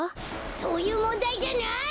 そういうもんだいじゃない！